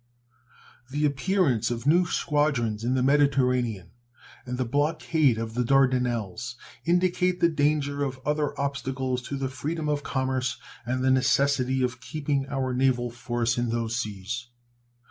The appearance of new squadrons in the Mediterranean and the blockade of the Dardanelles indicate the danger of other obstacles to the freedom of commerce and the necessity of keeping our naval force in those seas.